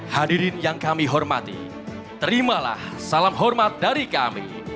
hadirin yang kami hormati terimalah salam hormat dari kami